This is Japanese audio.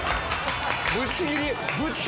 ぶっちぎり！